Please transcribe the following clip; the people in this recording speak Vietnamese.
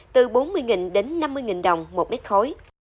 từ bốn mươi đến năm mươi đồng một mét khối